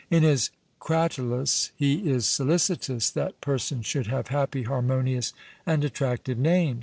In his Cratylus he is solicitous that persons should have happy, harmonious, and attractive names.